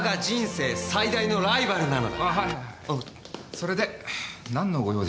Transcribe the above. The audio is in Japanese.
それで何のご用でしょうか？